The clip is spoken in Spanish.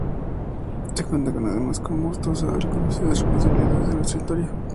Cuenta además con bustos a reconocidas personalidades de nuestra historia.